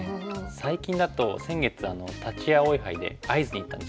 最近だと先月立葵杯で会津に行ったんですけど。